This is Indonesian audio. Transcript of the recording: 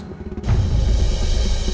apa yang mau dibahas